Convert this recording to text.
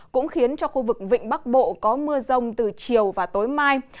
cũng khiến cho khu vực vịnh bắc bộ có mưa rông từ chiều và tối mai